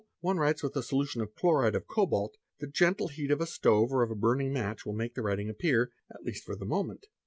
one writes with a solution of chloride of cobalt, the gentle heat of a stove or of a burning match will make the writing appear, at least for the moment.